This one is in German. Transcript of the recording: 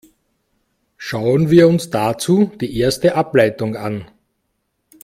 Schauen wir uns dazu die erste Ableitung an.